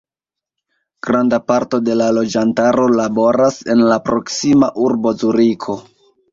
Granda parto de la loĝantaro laboras en la proksima urbo Zuriko.